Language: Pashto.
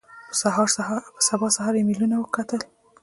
په سبا سهار ایمېلونه وکتل.